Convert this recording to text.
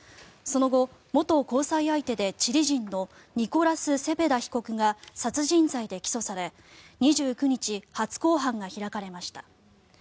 その後、元交際相手でチリ人のニコラス・セペダ被告が殺人罪で起訴され２９日、初公判が開かれました。